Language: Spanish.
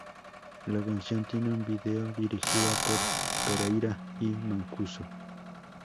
La canción tiene un video dirigido por Pereyra y Mancuso.